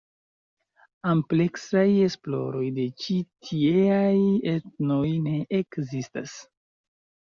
Ampleksaj esploroj de ĉi tieaj etnoj ne ekzistas.